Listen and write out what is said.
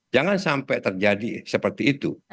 jangan sampai terjadi seperti itu